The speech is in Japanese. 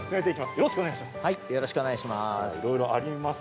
よろしくお願いします。